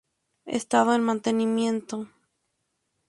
Estado: En mantenimiento.